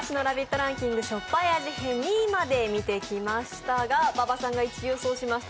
ランキング、しょっぱい味編、２位まで見てきましたが、馬場さんが１位予想してました